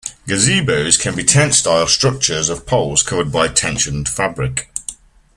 Gazebos can be tent-style structures of poles covered by tensioned fabric.